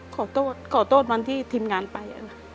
ขอโทษขอโทษวันที่ทีมงานไป